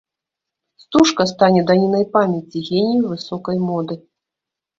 Стужка стане данінай памяці генію высокай моды.